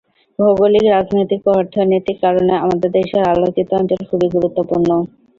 ভৌগোলিক, রাজনৈতিক ও অর্থনৈতিক কারণে আমাদের দেশের আলোচিত অঞ্চল খুবই গুরুত্বপূর্ণ।